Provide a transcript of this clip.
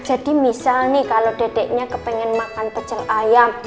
jadi misal nih kalau dedeknya kepengen makan pecel ayam